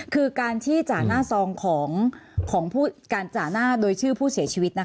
คือการที่จ่าหน้าซองของการจ่าหน้าโดยชื่อผู้เสียชีวิต